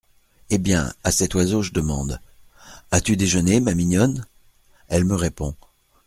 Eh bien, à cet oiseau, J’ demande : "As-tu déjeuné, ma mignonne ?" Ell’ me répond…